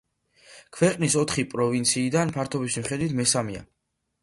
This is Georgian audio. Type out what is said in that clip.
ქვეყნის ოთხი პროვინციიდან ფართობის მიხედვით მესამეა.